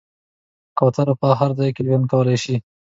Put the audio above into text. کوتره په هر ځای کې ژوند کولی شي.